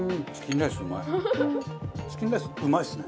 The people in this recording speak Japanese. チキンライスうまいですね。